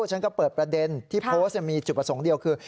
ฉันก็เปิดประเด็นที่โพสต์มีจุดประสงค์เดียวคือ